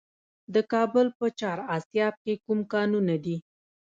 د کابل په چهار اسیاب کې کوم کانونه دي؟